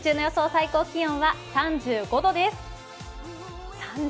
最高気温は３５度です。